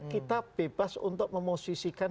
kita bebas untuk memosisikan